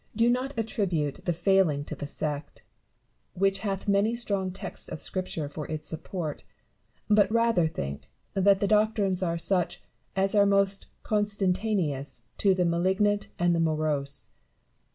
Do not attribute the failing to the sect, which hath many strong texts of Scripture for its support ; but rather think that the doctrines are such as are most con sentaneous to the malignant and morose.